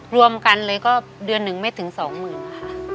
รวมกันเลยก็เดือนหนึ่งไม่ถึงสองหมื่นค่ะ